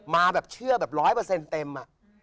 มาแบบเชื่อแบบร้อยเปอร์เซ็นต์เต็ม